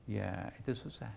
ya itu susah